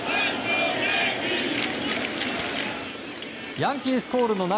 ヤンキースコールの中